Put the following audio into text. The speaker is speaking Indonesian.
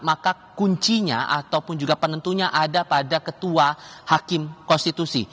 maka kuncinya ataupun juga penentunya ada pada ketua hakim konstitusi